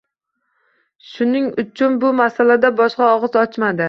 Shuning uchun bu masalada boshqa og`iz ochmadi